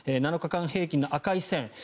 ７日間平均の赤い線